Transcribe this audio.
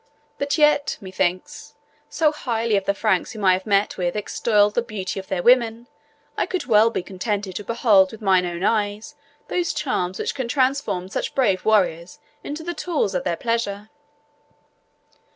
But yet, methinks, so highly have the Franks whom I have met with extolled the beauty of their women, I could be well contented to behold with mine own eyes those charms which can transform such brave warriors into the tools of their pleasure."